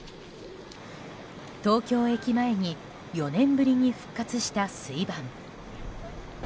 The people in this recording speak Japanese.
東京駅前に４年ぶりに復活した水盤。